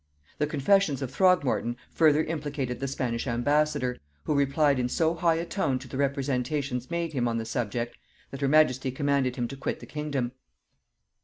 The confessions of Throgmorton further implicated the Spanish ambassador; who replied in so high a tone to the representations made him on the subject, that her majesty commanded him to quit the kingdom.